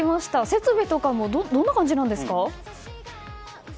設備とかもどんな感じなんですか？